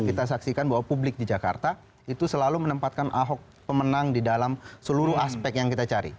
kita saksikan bahwa publik di jakarta itu selalu menempatkan ahok pemenang di dalam seluruh aspek yang kita cari